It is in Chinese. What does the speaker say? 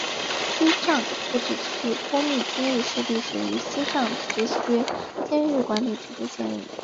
西藏自治区波密监狱是隶属于西藏自治区监狱管理局的监狱。